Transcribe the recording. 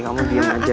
kamu diam aja